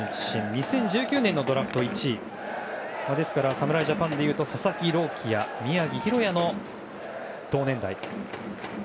２０１９年のドラフト１位ですから侍ジャパンでいうと佐々木朗希や宮城大弥と同年代です。